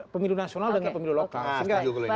pemilu nasional dengan pemilu lokal